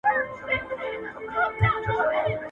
هغه څوک چې کمرې ته ولاړ دی خبریال دی.